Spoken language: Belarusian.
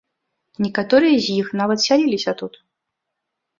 Некаторыя з іх нават сяліліся тут.